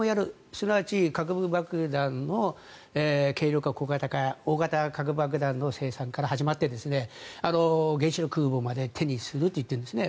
すなわち核爆弾の軽量化、小型化大型核爆弾の製造から始まって原子力空母まで手にすると言っているんですね。